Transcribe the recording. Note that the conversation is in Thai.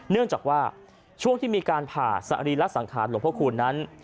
เนื่องจากว่าช่วงที่มีการผ่าสรีระสังขารหลวงพระคูณนั้น